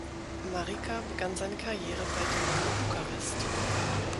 Marica begann seine Karriere bei Dinamo Bukarest.